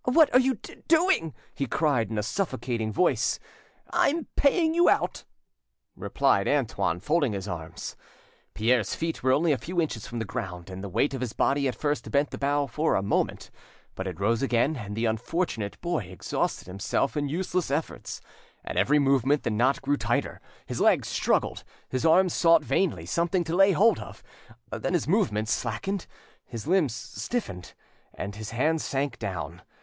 "What are you doing?" he cried in a suffocating voice. "I am paying you out;" replied Antoine, folding his arms. Pierre's feet were only a few inches from the ground, and the weight of his body at first bent the bough for a moment; but it rose again, and the unfortunate boy exhausted himself in useless efforts. At every movement the knot grew tighter, his legs struggled, his arms sought vainly something to lay hold of; then his movements slackened, his limbs stiffened, and his hands sank down.